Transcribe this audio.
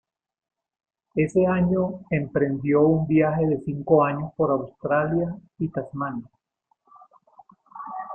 Ese año emprendió un viaje de cinco años por Australia y Tasmania.